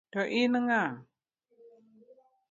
To in ng'a?